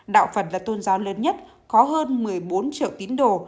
đạo phật là tôn giáo lớn nhất có hơn một mươi bốn triệu tín đồ